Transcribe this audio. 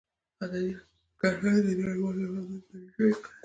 ازادي راډیو د کرهنه د نړیوالو نهادونو دریځ شریک کړی.